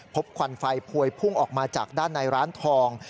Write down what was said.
ควันไฟพวยพุ่งออกมาจากด้านในร้านทอง